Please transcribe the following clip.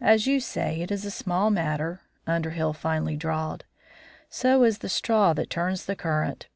"As you say, it is a small matter," Underhill finally drawled. "So is the straw that turns the current.